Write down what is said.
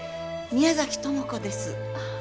宮崎知子です。